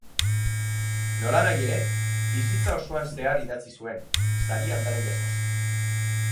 Nolanahi ere, bizitza osoan zehar idatzi zuen, sari andana jasoz.